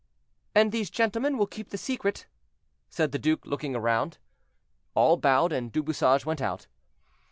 "And these gentlemen will keep the secret?" said the duke, looking round. All bowed, and Du Bouchage went out.